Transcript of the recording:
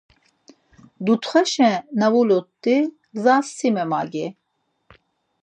Dutxeşa na vulut̆i, gzas si memagi.